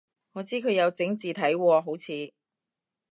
我知佢有整字體喎好似